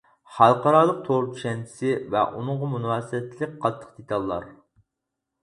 خەلقئارالىق تور چۈشەنچىسى ۋە ئۇنىڭغا مۇناسىۋەتلىك قاتتىق دېتاللار.